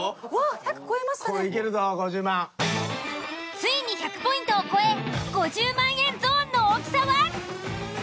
ついに１００ポイントを超え５０万円ゾーンの大きさは？